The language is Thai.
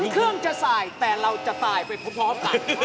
ถึงเครื่องจะสายแต่เราจะตายเพราะพอบรรกาศ